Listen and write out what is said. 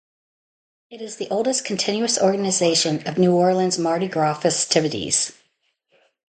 It is the oldest continuous organization of New Orleans Mardi Gras festivities.